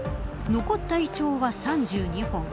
残ったイチョウは３２本。